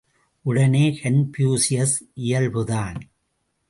உடனே கன்பூசியஸ், இயல்புதான்!